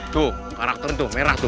tuh karakter tuh merah tuh